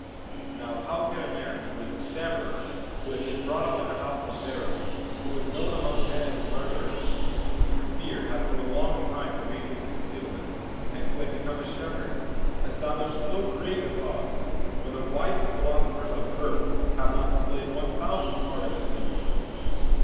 Now, how could a man who was a stammerer, who had been brought up in the house of Pharaoh, who was known among men as a murderer, who through fear had for a long time remained in concealment, and who had become a shepherd establish so great a Cause, when the wisest philosophers on earth have not dis played one thousandth part of this influence